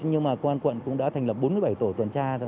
nhưng mà quân quận cũng đã thành lập bốn mươi bảy tổ tuần tra